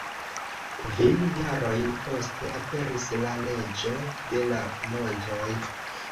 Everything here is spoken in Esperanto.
Kvin jarojn poste aperis La Reĝo de la Montoj.